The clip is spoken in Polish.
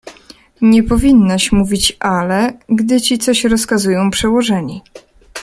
— Nie powinnaś mówić „ale”, gdy ci coś rozkazują przełożeni.